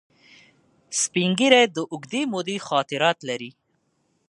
سپین ږیری د اوږدې مودې خاطرات لري